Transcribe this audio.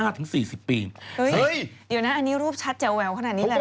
เดี๋ยวนะอันนี้รูปชัดแจ๋วแหววขนาดนี้เลยนะ